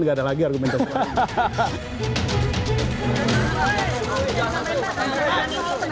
nggak ada lagi argumen keseluruhan